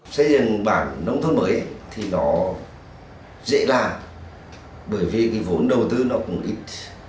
xây dựng bản nông thôn mới thì nó dễ làm bởi vì cái vốn đầu tư nó cũng ít